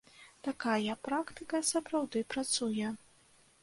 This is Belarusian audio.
Такая практыка сапраўды працуе.